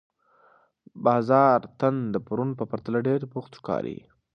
بازار نن د پرون په پرتله ډېر بوخت ښکاري